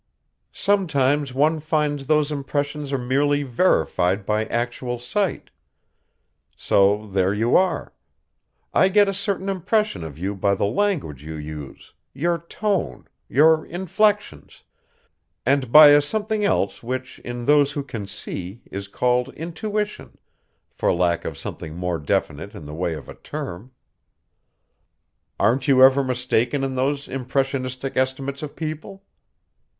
"Sometimes one finds those impressions are merely verified by actual sight. So there you are. I get a certain impression of you by the language you use, your tone, your inflections and by a something else which in those who can see is called intuition, for lack of something more definite in the way of a term." "Aren't you ever mistaken in those impressionistic estimates of people?"